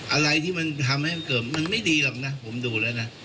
อะไรที่มันทำให้มันเกิดมันไม่ดีหรอกนะผมดูแล้วนะ